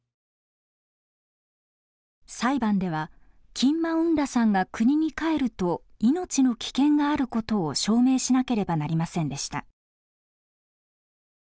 裁判ではキン・マウン・ラさんが国に帰ると命の危険があることを証明しなければなりませんでした。